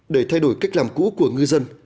để thay đổi cách làm cũ của ngư dân